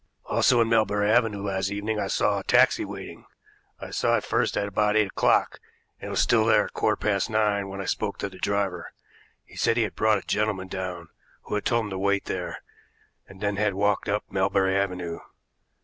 Also in Melbury Avenue last evening I saw a taxi waiting. I saw it first at about eight o'clock, and it was still there at a quarter past nine, when I spoke to the driver. He said he had brought a gentleman down, who had told him to wait there, and had then walked up Melbury Avenue.